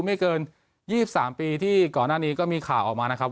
ไม่เกิน๒๓ปีที่ก่อนหน้านี้ก็มีข่าวออกมานะครับ